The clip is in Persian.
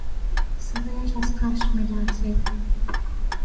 صدایش از خشم میلرزید.